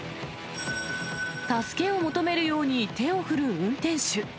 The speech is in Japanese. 助けを求めるように手を振る運転手。